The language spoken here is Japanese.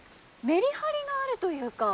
メリハリがあるというか。